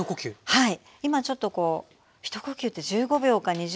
はい。